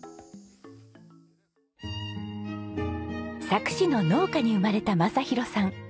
佐久市の農家に生まれた正博さん。